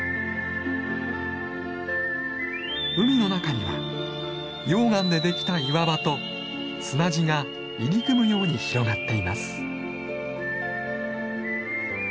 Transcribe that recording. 海の中には溶岩でできた岩場と砂地が入り組むように広がっています。